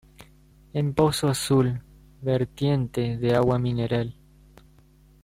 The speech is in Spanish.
En Pozo Azul, vertiente de agua mineral.